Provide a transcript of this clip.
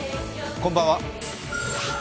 こんばんは。